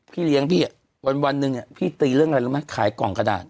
พี่เลี้ยงพี่วันนึงพี่ตีเรื่องก็มันคุณให้กล่องกระดาษ